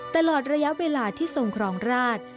ตลอดระยะเวลาที่ทรงครองราช